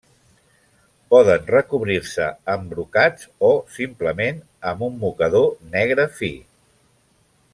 Poden recobrir-se amb brocats, o simplement amb un mocador negre fi.